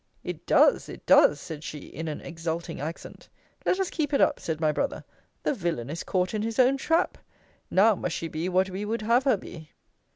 It does! It does! said she, in an exulting accent. Let us keep it up, said my brother. The villain is caught in his own trap! Now must she be what we would have her be.